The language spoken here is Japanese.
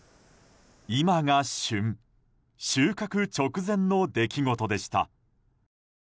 今が旬収穫直前の出来事でした。